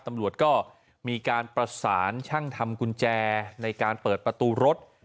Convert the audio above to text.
ตำรวจก็มีการประสานช่างทำกุญแจในการเปิดประตูรถ